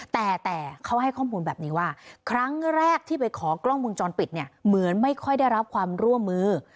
แต่เขาให้ข้อมูลแบบนี้ว่าครั้งแรกที่ไปขอกล้องวงจรปิดเนี่ยเหมือนไม่ค่อยได้รับความร่วมมือ